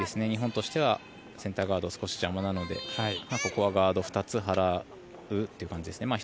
日本としてはセンターガードが少し邪魔なのでここはガード２つ払うという感じですね。